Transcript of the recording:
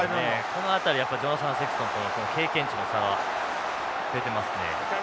この辺りジョナサンセクストンとの経験値の差が出てますね。